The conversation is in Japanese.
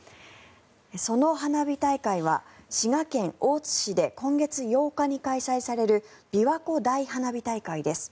その花火大会は滋賀県大津市で今月８日に開催されるびわ湖大花火大会です。